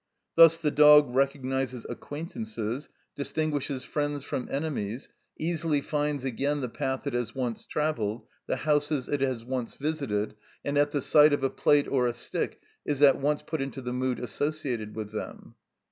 Thus the dog recognises acquaintances, distinguishes friends from enemies, easily finds again the path it has once travelled, the houses it has once visited, and at the sight of a plate or a stick is at once put into the mood associated with them.